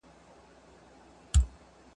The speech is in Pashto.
پرتله پکار ده.